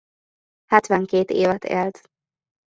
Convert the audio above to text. Hetvenkét évet élt.